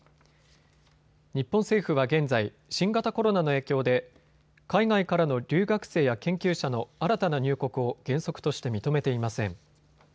日本政府は現在、新型コロナの影響で海外からの留学生や研究者の新たな入国を原則として認めていません。